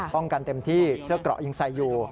กันเต็มที่เสื้อเกราะยังใส่อยู่